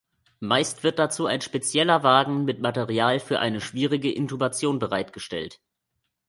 Meist wird dazu ein spezieller Wagen mit Material für eine schwierige Intubation bereitgestellt.